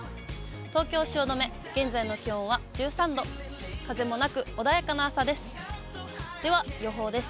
東京・汐留、現在の気温は１３度、風もなく、穏やかな朝です。